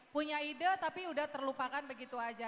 punya ide tapi udah terlupakan begitu aja